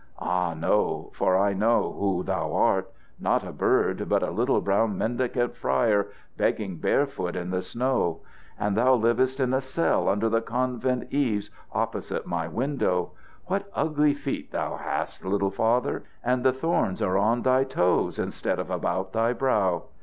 Ah, no! For I know who thou art! Not a bird, but a little brown mendicant friar, begging barefoot in the snow. And thou livest in a cell under the convent eaves opposite my window. What ugly feet thou hast, little Father! And the thorns are on thy toes instead of about thy brow.